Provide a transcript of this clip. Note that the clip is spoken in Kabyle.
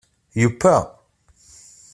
Yewwa?